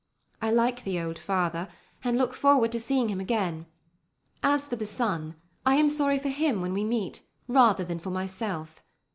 I like the old father, and look forward to seeing him again. As for the son, I am sorry for him when we meet, rather than for myself.